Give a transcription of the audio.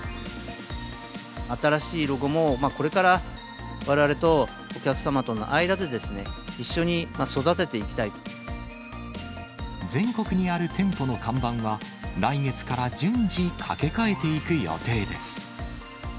新しいロゴも、これからわれわれとお客様との間で、全国にある店舗の看板は、来月から順次、かけ替えていく予定です。